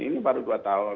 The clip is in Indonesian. ini baru dua tahun